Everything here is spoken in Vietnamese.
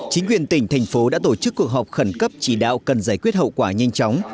chính quyền tỉnh thành phố đã tổ chức cuộc họp khẩn cấp chỉ đạo cần giải quyết hậu quả nhanh chóng